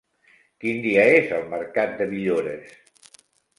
Quin dia és el mercat de Villores?